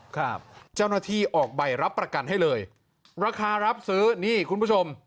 ครับเจ้าหน้าที่ออกใบรับประกันให้เลยราคารับซื้อนี่คุณผู้ชม